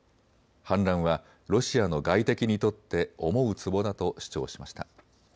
反乱はロシアの外敵にとって思うつぼだと主張しました。